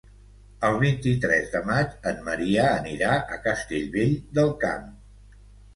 El vint-i-tres de maig en Maria anirà a Castellvell del Camp.